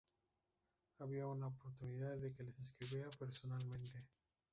Había una oportunidad de que les escribiera personalmente.".